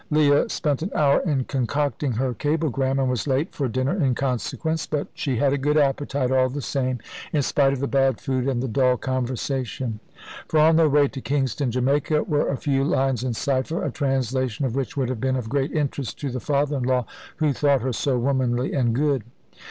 Leah spent an hour in concocting her cablegram, and was late for dinner in consequence. But she had a good appetite, all the same, in spite of the bad food and the dull conversation. For, on their way to Kingston, Jamaica, were a few lines in cypher, a translation of which would have been of great interest to the father in law, who thought her so womanly and good.